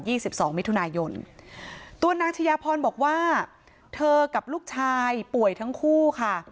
สิบสองมิถุนายนตัวนางชายาพรบอกว่าเธอกับลูกชายป่วยทั้งคู่ค่ะ